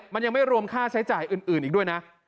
มันยังไม่รวมค่าใช้จ่ายอื่นอีกด้วยนะ